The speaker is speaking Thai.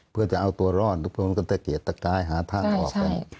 เพื่อจะเอาตัวรอดทุกคนก็ตะเกียดตะกายหาทางออกกัน